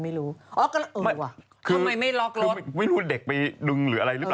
มันพุ่งเลย